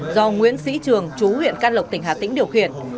do nguyễn sĩ trường chú huyện can lộc tỉnh hà tĩnh điều khiển